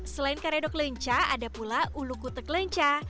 selain karedok lenca ada pula ulu kutek lenca